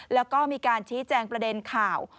แล้วก็มีการชี้แจงประเด็นข่าว